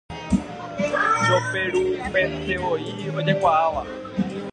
Choperupentevoi ojekuaáva.